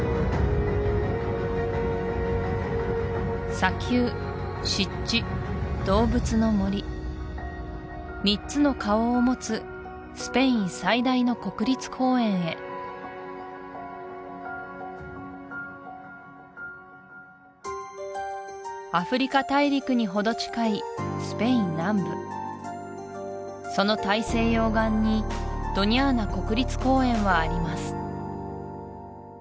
砂丘湿地動物の森３つの顔を持つスペイン最大の国立公園へアフリカ大陸にほど近いスペイン南部その大西洋岸にドニャーナ国立公園はあります